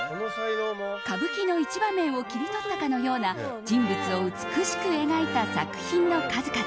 歌舞伎の一場面を切り取ったかのような人物を美しく描いた作品の数々。